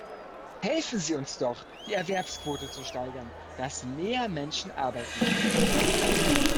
Helfen Sie uns doch, die Erwerbsquote zu steigern, dass mehr Menschen arbeiten können.